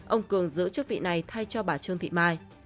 ông cường giữ chức vị này thay cho bà trương thị mai